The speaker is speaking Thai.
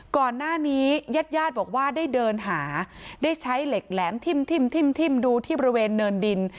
ญาติญาติบอกว่าได้เดินหาได้ใช้เหล็กแหลมทิ่มดูที่บริเวณเนินดิน